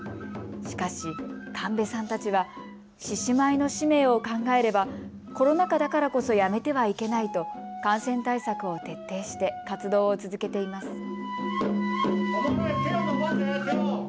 しかし、神戸さんたちは獅子舞の使命を考えればコロナ禍だからこそやめてはいけないと感染対策を徹底して活動を続けています。